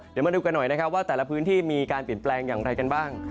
เดี๋ยวมาดูกันหน่อยนะครับว่าแต่ละพื้นที่มีการเปลี่ยนแปลงอย่างไรกันบ้าง